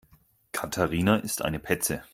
Katharina ist eine Petze.